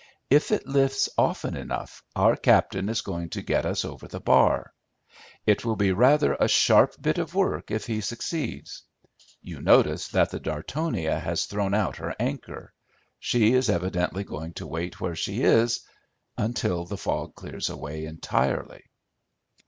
If it lifts often enough our captain is going to get us over the bar. It will be rather a sharp bit of work if he succeeds. You notice that the Dartonia has thrown out her anchor. She is evidently going to wait where she is until the fog clears away entirely."